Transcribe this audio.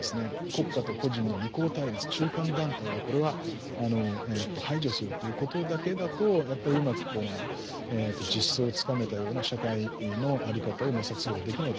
国家と個人の二項対立中間団体はこれは排除するということだけだとやっぱりうまく実相をつかめたような社会の在り方を模索することはできないと思います。